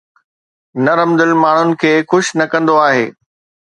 نرم دل ماڻهن کي خوش نه ڪندو آهي